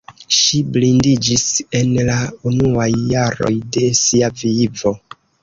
Ŝi blindiĝis en la unuaj jaroj de sia vivo.